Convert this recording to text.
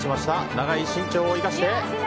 長い身長を生かして。